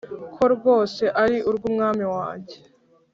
ko rwose ari urwumwami wanjye